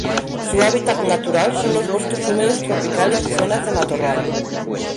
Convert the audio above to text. Su hábitat natural son los bosques húmedos tropicales y zonas de matorral.